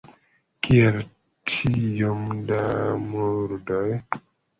Kial tiom da murdoj?